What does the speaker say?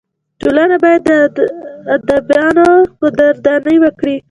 ټولنه باید د ادیبانو قدرداني وکړي.